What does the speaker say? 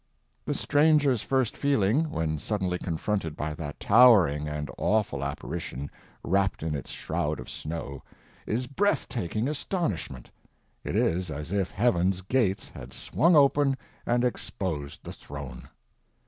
The stranger's first feeling, when suddenly confronted by that towering and awful apparition wrapped in its shroud of snow, is breath taking astonishment. It is as if heaven's gates had swung open and exposed the throne.